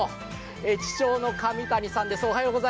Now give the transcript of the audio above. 駅長の神谷さんです。